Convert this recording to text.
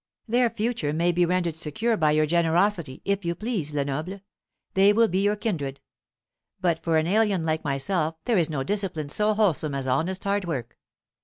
Their future may be rendered secure by your generosity, if you please, Lenoble; they will be your kindred. But for an alien like myself there is no discipline so wholesome as honest hard work.